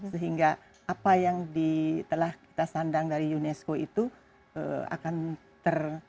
sehingga apa yang telah kita sandang dari unesco itu akan ter